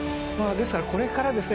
ですからこれからですね